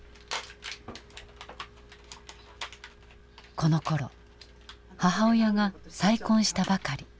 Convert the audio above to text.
このころ母親が再婚したばかり。